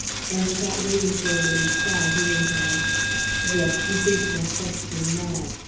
And without waiting for the reply, he went on: "Yes, you think my question mad.